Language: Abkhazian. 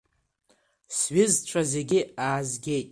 Сҩызцәа зегьы аазгеит.